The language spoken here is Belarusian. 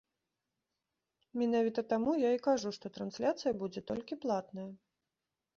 Менавіта таму я і кажу, што трансляцыя будзе толькі платная!